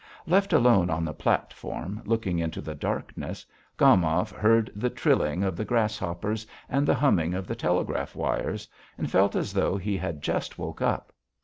Left alone on the platform, looking into the darkness, Gomov heard the trilling of the grasshoppers and the humming of the telegraph wires, and felt as though he had just woke up.